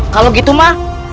kalau begitu ma